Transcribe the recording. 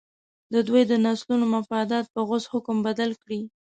د دوی د نسلونو مفادات په غوڅ حکم بدل کړي.